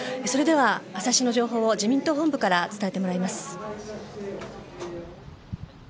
最新の情報を自民党本部から伝えてもらいます。